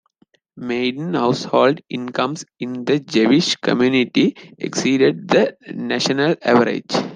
Median household incomes in the Jewish community exceeded the national average.